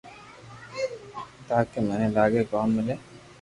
تاڪي مني آگي ڪوم ملي